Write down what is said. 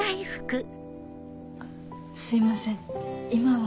すいません今は。